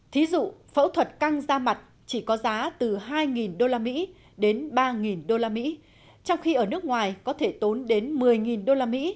thí dụ phẫu thuật căng da mặt chỉ có giá từ hai usd đến ba usd trong khi ở nước ngoài có thể tốn đến một mươi usd